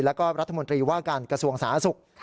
แล้วก็รัฐมนตรีว่าการกระทรวงสาธารณสุข